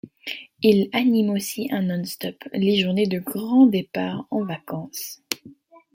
Il anime aussi en non-stop les journées de grands départs en vacances.